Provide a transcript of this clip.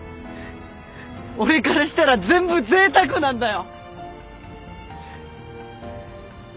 俺からしたら全部ぜいたくなんだよ！